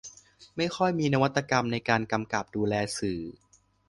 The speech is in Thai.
ไม่ค่อยมีนวัตกรรมในการกำกับดูแลสื่อ